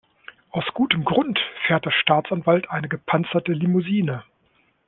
Aus gutem Grund fährt der Staatsanwalt eine gepanzerte Limousine.